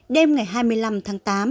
đêm ngày hai mươi năm tháng tám